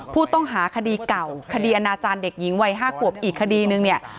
ผู้ต้องหาคดีเก่าคดีอนาจารย์เด็กหญิงวัย๕ขวบอีกคดีนึงเนี่ย